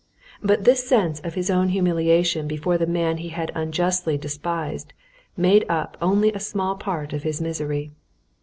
But this sense of his own humiliation before the man he had unjustly despised made up only a small part of his misery.